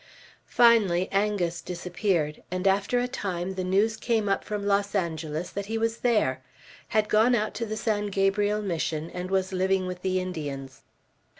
Finally Angus disappeared, and after a time the news came up from Los Angeles that he was there, had gone out to the San Gabriel Mission, and was living with the Indians.